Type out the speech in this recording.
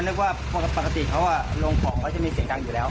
นึกว่าปกติเขาลงป่องเขาจะมีเสียงดังอยู่แล้ว